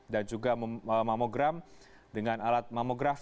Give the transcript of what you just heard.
dan juga mamogram dengan alat mamogram